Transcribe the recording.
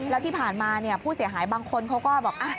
แล้วที่ผ่านมาผู้เสียหายบางคนเขาก็บอก